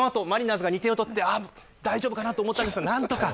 その後マリナーズが２点を取って大丈夫かなと思ったんですが。